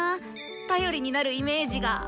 頼りになるイメージが。